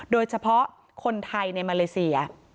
โดยเฉพาะคนไทยในมาเลเซีย